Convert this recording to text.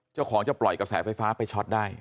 เจ้าของจะปล่อยกระแสไฟฟ้าไปช็อตได้